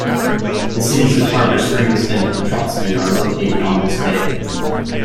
The cities of Harbor Springs and Petoskey are located on this bay.